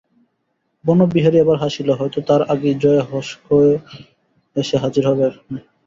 বনবিহারী এবার হাসিল, হয়তো তার আগেই জয়া হশ কওে এসে হাজির হবে এখানে।